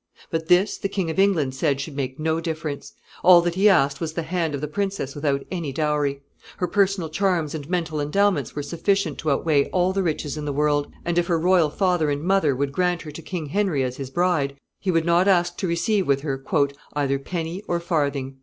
But this the King of England said should make no difference. All that he asked was the hand of the princess without any dowry. Her personal charms and mental endowments were sufficient to outweigh all the riches in the world; and if her royal father and mother would grant her to King Henry as his bride, he would not ask to receive with her "either penny or farthing."